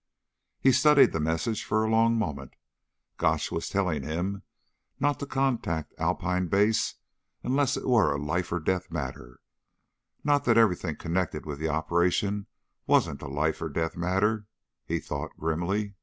_" He studied the message for a long moment. Gotch was telling him not to contact Alpine Base unless it were a life or death matter. Not that everything connected with the operation wasn't a life or death matter, he thought grimly.